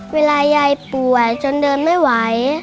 เวลายายป่วยจนเดินไม่ไหว